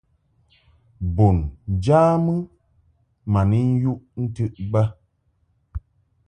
Bun njamɨ ma ni yuʼ ntɨʼ bə.